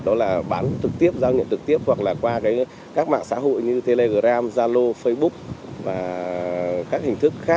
đó là bán công khai trên mạng xã hội